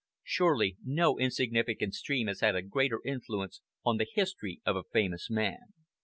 Surely no insignificant stream has had a greater influence on the history of a famous man.